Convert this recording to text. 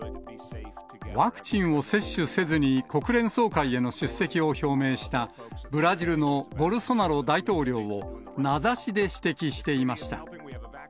ワクチンを接種せずに国連総会への出席を表明したブラジルのボルソナロ大統領を名指しで指摘していました。